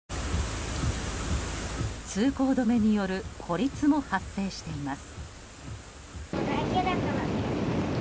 通行止めによる孤立も発生しています。